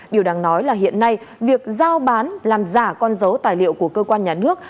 điều đáng nói là hiện nay việc giao bán làm giả con dấu tài liệu của cơ quan nhà nước